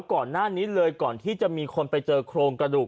ก่อนหน้านี้เลยก่อนที่จะมีคนไปเจอโครงกระดูก